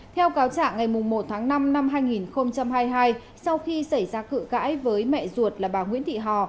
theo cáo trạng ngày một tháng năm năm hai nghìn hai mươi hai sau khi xảy ra cự cãi với mẹ ruột là bà nguyễn thị hò